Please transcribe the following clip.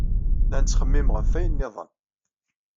La nettxemmim ɣef wayen niḍen.